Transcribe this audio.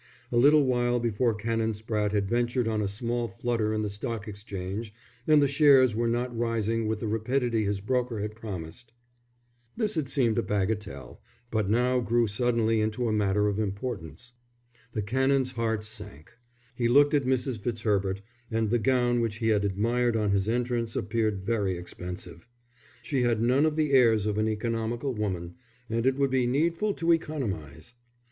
A little while before Canon Spratte had ventured on a small flutter in the Stock Exchange, and the shares were not rising with the rapidity his broker had promised. This had seemed a bagatelle, but now grew suddenly into a matter of importance. The Canon's heart sank. He looked at Mrs. Fitzherbert; and the gown which he had admired on his entrance appeared very expensive. She had none of the airs of an economical woman, and it would be needful to economize.